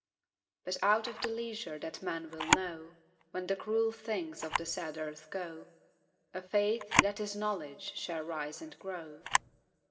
But out of the leisure that men will know, When the cruel things of the sad earth go, A Faith that is Knowledge shall rise and grow.